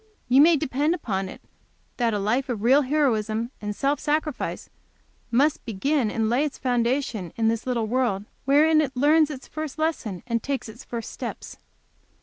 You may depend upon it that a life of real heroism and self sacrifice must begin and lay its foundation in this little world, wherein it learns its first lesson and takes its first steps."